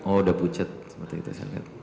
oh udah pucet seperti itu saya lihat